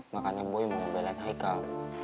makanya boy mau belain haikal